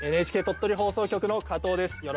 ＮＨＫ鳥取放送局の加藤です。